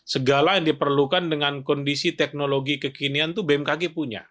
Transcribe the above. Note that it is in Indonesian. segala yang diperlukan dengan kondisi teknologi kekinian itu bmkg punya